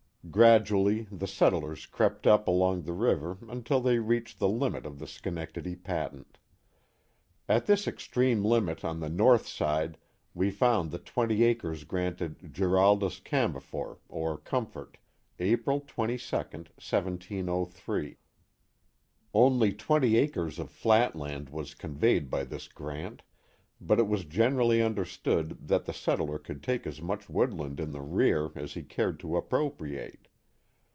Gradually the settlers crept up along the river until they reached the limit of the Schenectady patent. At this extreme limit on the north side we found the twenty acres granted Geraldus Cambefort or Comfort April 22, 1703. Only twenty acres of flat land was conveyed by this grant, but it was generally understood that the settler could take as much woodland in the rear as he cared to ap propriate.